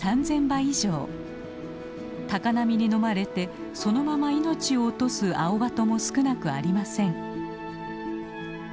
高波にのまれてそのまま命を落とすアオバトも少なくありません。